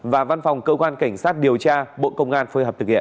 và văn phòng cơ quan cảnh sát điều tra bộ công an phối hợp thực hiện